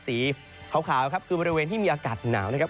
สีขาวครับคือบริเวณที่มีอากาศหนาวนะครับ